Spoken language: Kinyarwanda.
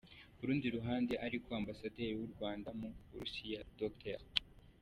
Ku rundi ruhande ariko Ambasaderi w’u Rwanda mu Burusiya, Dr.